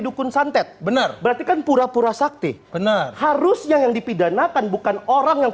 dukun santet benar berarti kan pura pura sakti benar harus yang dipidanakan bukan orang yang